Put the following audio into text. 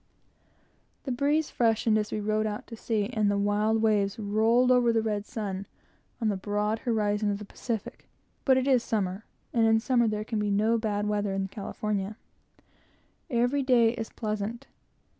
The breeze freshened as we stood out to sea, and the wild waves rolled over the red sun, on the broad horizon of the Pacific; but it is summer, and in summer there can be no bad weather in California. Every day is pleasant.